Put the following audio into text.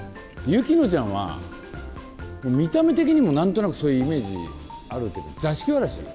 ゆきのちゃんは、見た目的にもなんとなくそういうイメージあるけど、座敷童。